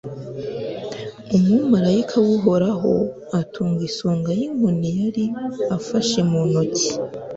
umumalayika w'uhoraho atunga isonga y'inkoni yari afashe mu ntoki